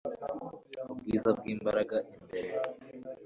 ubwiza bwimbaraga imbere